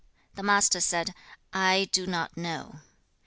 The Master said, 'I do not know.'